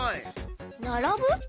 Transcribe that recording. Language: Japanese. ならぶ？